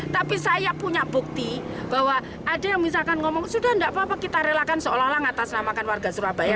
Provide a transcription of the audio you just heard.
tapi saya punya bukti bahwa ada yang misalkan ngomong sudah tidak apa apa kita relakan seolah olah ngatasnamakan warga surabaya